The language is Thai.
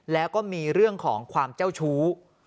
แล้วก็มีเรื่องของความเจ้าชู้